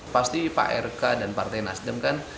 pasti pak rk dan partai nasdem kan